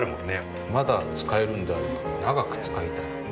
まだ使えるんであれば長く使いたい。